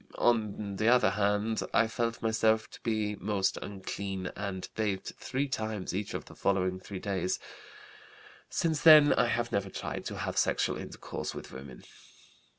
On the other hand, I felt myself to be most unclean and bathed three times each of the following three days. Since then I have never tried to have sexual intercourse with women.